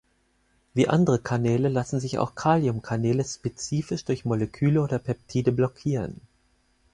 Wie andere Kanäle lassen sich auch Kaliumkanäle spezifisch durch Moleküle oder Peptide blockieren.